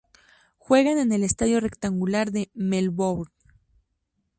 Juegan en el Estadio Rectangular de Melbourne.